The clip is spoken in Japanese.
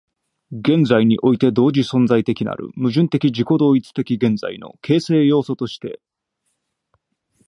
現在において同時存在的なる矛盾的自己同一的現在の形成要素として、